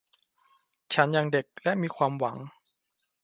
ฉันยังเด็กและมีความหวัง